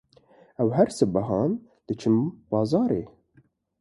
Ew her sibehan diçin bazarê.